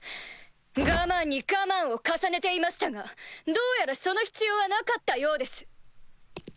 我慢に我慢を重ねていましたがどうやらその必要はなかったようです！